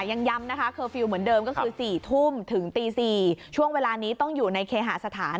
ยังย้ำนะคะเคอร์ฟิลล์เหมือนเดิมก็คือ๔ทุ่มถึงตี๔ช่วงเวลานี้ต้องอยู่ในเคหาสถาน